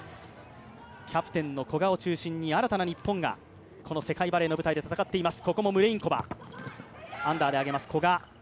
キャプテンの古賀を中心に、新たな日本がこの世界バレーの舞台で戦っています。